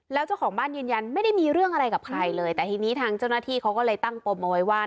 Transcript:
แล้วเจ้าของบ้านยืนยันไม่ได้มีเรื่องอะไรกับใครเลยแต่ทีนี้ทางเจ้าหน้าที่เขาก็เลยตั้งปมเอาไว้ว่า